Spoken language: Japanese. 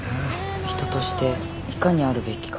「人としていかにあるべきか。